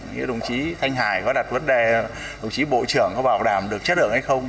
như đồng chí thanh hải có đặt vấn đề đồng chí bộ trưởng có bảo đảm được chất lượng hay không